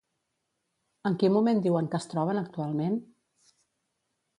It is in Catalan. En quin moment diuen que es troben actualment?